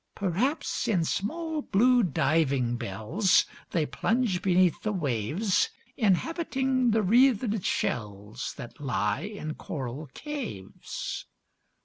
Perhaps, in small, blue diving bells They plunge beneath the waves, Inhabiting the wreathed shells That lie in coral caves.